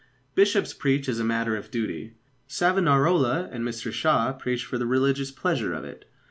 Bishops preach as a matter of duty; Savonarola and Mr Shaw preach for the religious pleasure of it.